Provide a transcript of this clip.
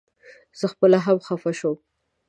زه خپله هم خپه شوم.